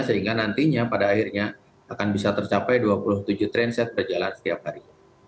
sehingga nantinya pada akhirnya akan bisa tercapai dua puluh tujuh trainset berjalan setiap hari